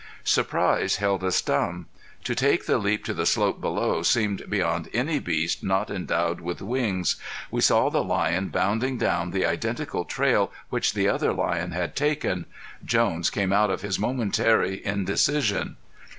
Surprise held us dumb. To take the leap to the slope below seemed beyond any beast not endowed with wings. We saw the lion bounding down the identical trail which the other lion had taken. Jones came out of his momentary indecision.